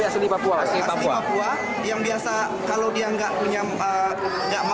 asli papua yang biasa kalau dia nggak punya